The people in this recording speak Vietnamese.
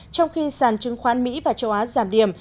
trong khi sàn chứng khoán mỹ và châu á giảm điểm